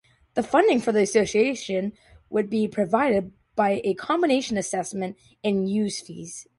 The funding for the association would be provided by a combination assessment and use-fee's.